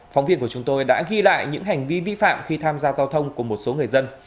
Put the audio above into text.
phóng viên của chúng tôi đã ghi lại những hành vi vi phạm khi tham gia giao thông của một số người dân